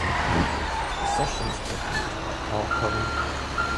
The sessions were produced by Paul Cohen.